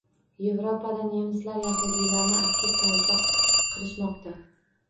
Yevropada nemislar yahudiylarni aktiv tarzda qirishmoqda.